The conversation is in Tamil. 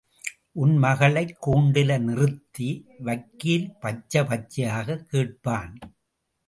உன் மகளக் கூண்டுல நிறுத்தி வக்கீல் பச்ச பச்சயா கேப்பான்.